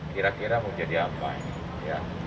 kira kira menjadi apa ini